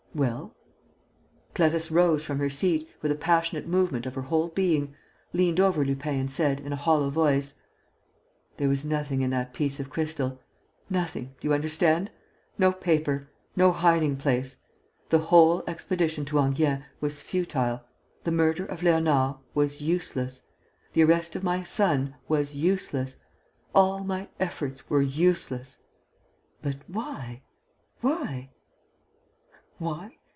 "Well?" Clarisse rose from her seat, with a passionate movement of her whole being, leant over Lupin and said, in a hollow voice: "There was nothing in that piece of crystal, nothing, do you understand? No paper, no hiding place! The whole expedition to Enghien was futile! The murder of Léonard was useless! The arrest of my son was useless! All my efforts were useless!" "But why? Why?" "Why?